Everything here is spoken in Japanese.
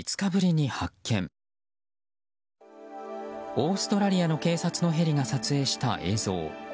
オーストラリアの警察のヘリが撮影した映像。